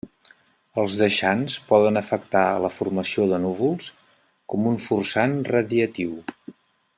Els deixants poden afectar la formació de núvols, com un forçant radiatiu.